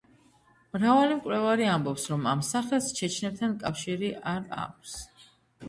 მრავალი მკვლევარი ამბობს, რომ ამ სახელს ჩეჩნებთან კავშირი არ აქვს.